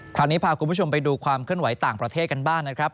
คราวนี้พาคุณผู้ชมไปดูความเคลื่อนไหวต่างประเทศกันบ้างนะครับ